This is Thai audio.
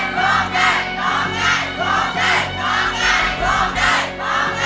ผิดครับ